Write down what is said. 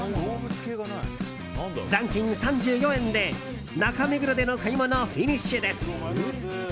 残金３４円で中目黒での買い物フィニッシュです。